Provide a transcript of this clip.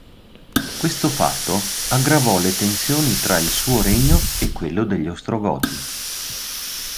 Questo fatto aggravò le tensioni tra il suo regno e quello degli Ostrogoti.